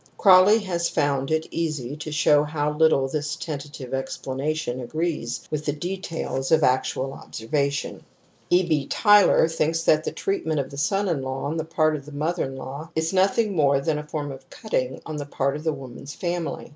Crawley has found it easy to show how little this tentative explanation agrees with the details of actual observation. E. B. Tylor thinks that the treatment of the son in law on the part of the mother in law is nothing more than a form of * cutting ' on the part of the woman's family.